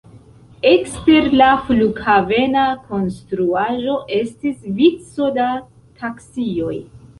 Ekster la flughavena konstruaĵo estis vico da taksioj.